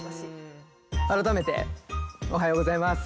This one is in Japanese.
改めておはようございます。